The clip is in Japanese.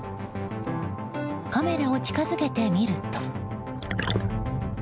カメラを近づけてみると。